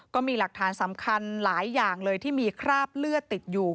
ก็มีหลักฐานสำคัญหลายอย่างเลยที่มีคราบเลือดติดอยู่